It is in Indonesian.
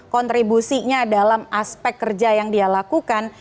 kontribusinya dalam aspek kerja yang dia lakukan